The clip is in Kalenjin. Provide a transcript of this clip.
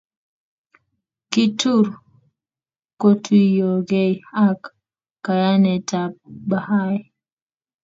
kitur kotuyiogei ak kayanetab Bahai.